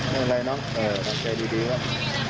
มีอะไรน่ะเออว่าใจดีครับ